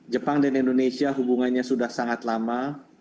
jepang dan indonesia hubungannya sudah sangat lama